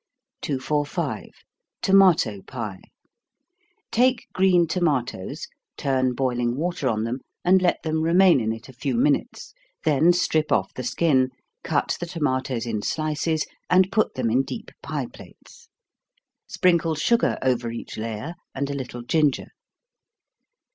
245. Tomato Pie. Take green tomatoes, turn boiling water on them, and let them remain in it a few minutes then strip off the skin, cut the tomatoes in slices, and put them in deep pie plates. Sprinkle sugar over each layer, and a little ginger.